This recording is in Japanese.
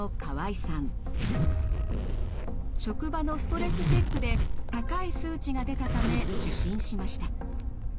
職場のストレスチェックで高い数値が出たため受診しました。